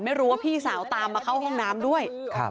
ไม่รู้ว่าพี่สาวตามมาเข้าห้องน้ำด้วย